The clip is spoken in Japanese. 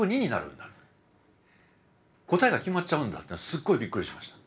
答えが決まっちゃうんだってのはすごいびっくりしました。